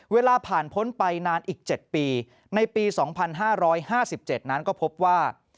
เวลาผ่านพ้นไปนานอีก๗ปีในปี๒๕๕๗นั้นก็พบว่า